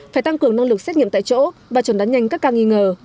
phải tăng cường năng lực xét nghiệm tại chỗ và trần đánh nhanh các ca nghi ngờ